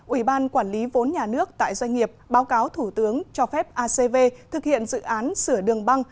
ủy ban quản lý vốn nhà nước tại doanh nghiệp báo cáo thủ tướng cho phép acv thực hiện dự án sửa đường băng